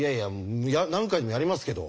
何回でもやりますけど。